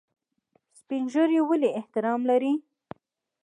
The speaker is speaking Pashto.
سپین ږیری ولې احترام لري؟